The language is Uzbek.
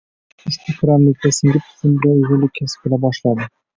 ushbu qaramlikka singib, tizim bilan uyg‘unlik kasb qila boshlaydi